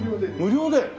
無料で。